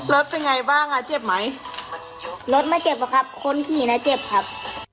รถเป็นไงบ้างอ่ะเจ็บไหมรถไม่เจ็บหรอกครับคนขี่น่ะเจ็บครับ